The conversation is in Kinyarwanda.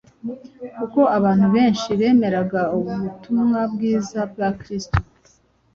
kuko abantu benshi bemeraga ubutumwa bwiza bwa Kristo.